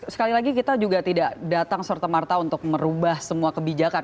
sekali lagi kita juga tidak datang serta merta untuk merubah semua kebijakan